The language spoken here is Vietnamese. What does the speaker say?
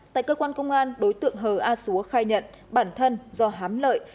tại cơ quan công an đối tượng hờ a xúa khai nhận bản thân do hám lợi